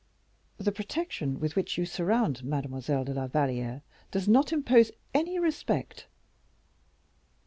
"The protection with which you surround Mademoiselle de la Valliere does not impose any respect."